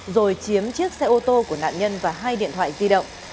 rồi chiếm chiếc xe ô tô của nạn nhân và hai điện thoại di động